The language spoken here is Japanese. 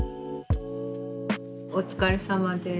お疲れさまです。